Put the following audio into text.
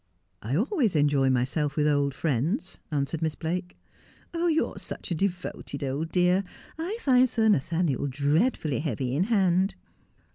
' 1 always enjoy myself with old friends,' answered Miss Blake. ' You are such a devoted old dear. I find Sir Nathaniel dreadfully heavy in hand.''